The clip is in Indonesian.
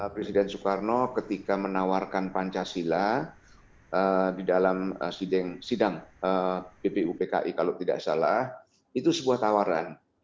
presiden soekarno ketika menawarkan pancasila di dalam sidang ppupki kalau tidak salah itu sebuah tawaran